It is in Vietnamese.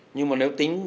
nhưng mà nếu tính